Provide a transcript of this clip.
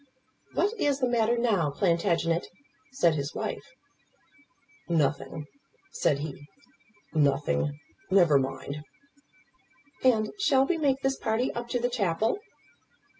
"What is the matter, now, Plantagenet?" said his wife. "Nothing," said he; "nothing. Never mind." "And shall we make this party up to the chapel?"